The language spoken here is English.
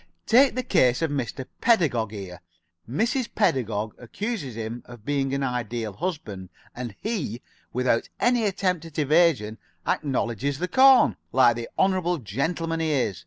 Take the case of Mr. Pedagog here. Mrs. Pedagog accuses him of being an Ideal Husband, and he, without any attempt at evasion, acknowledges the corn, like the honorable gentleman he is.